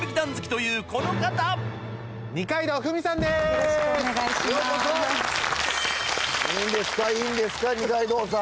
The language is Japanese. いいんですかいいんですか二階堂さん